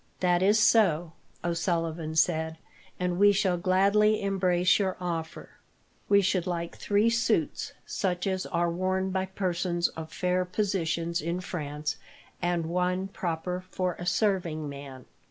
"That is so," O'Sullivan said, "and we shall gladly embrace your offer. We should like three suits, such as are worn by persons of fair position in France, and one proper for a serving man."